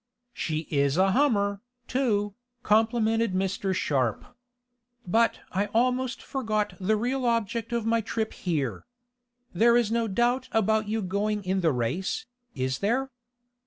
"She is a hummer, too," complimented Mr. Sharp. "But I almost forgot the real object of my trip here. There is no doubt about you going in the race, is there?"